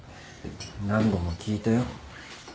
何度も聞いたよ。